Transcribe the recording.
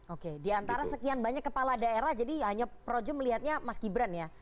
oke diantara sekian banyak kepala daerah jadi hanya projo melihatnya mas gibran ya